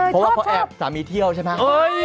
เพราะแอบสามีเที่ยวใช่ไหม